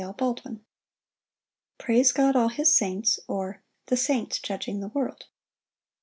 Psalm 149. Praise God, all his saints; or, The saints judging the world.